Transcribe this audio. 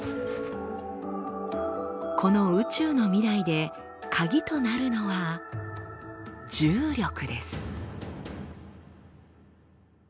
この宇宙の未来でカギとなるのは「重力」です。